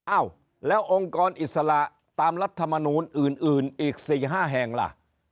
อ้าวแล้วองค์กรอิสระตามรัฐมนูลอื่นอีก๔๕แห่งล่ะ